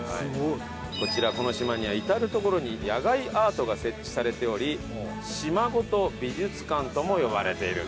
こちらこの島には至る所に野外アートが設置されており「島ごと美術館」とも呼ばれているんだそうですね。